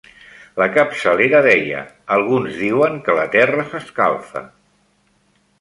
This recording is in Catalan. La capçalera deia: alguns diuen que la Terra s'escalfa.